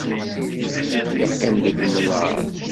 Yeqqim deg umnaṛ.